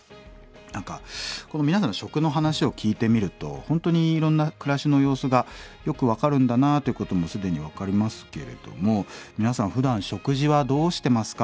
何か皆さんの食の話を聞いてみると本当にいろんな暮らしの様子がよく分かるんだなあということも既に分かりますけれども皆さんふだん食事はどうしてますか？